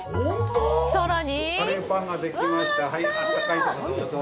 さらに？